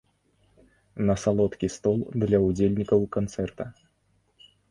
На салодкі стол для ўдзельнікаў канцэрта.